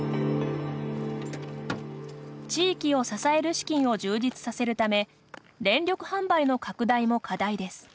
地域を支える資金を充実させるため電力販売の拡大も課題です。